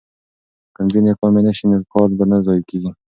که نجونې ناکامې نه شي نو کال به نه ضایع کیږي.